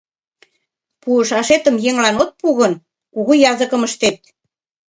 Пуышашетым еҥлан от пу гын, кугу языкым ыштет.